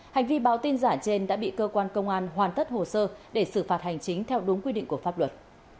hành vi báo tin giả trên đã bị cơ quan công an hoàn tất hồ sơ để xử phạt hành chính theo đúng quy định của pháp luật